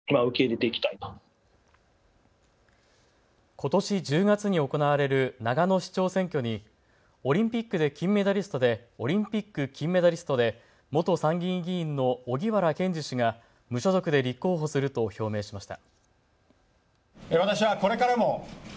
ことし１０月に行われる長野市長選挙にオリンピック金メダリストで元参議院議員の荻原健司氏が無所属で立候補すると表明しました。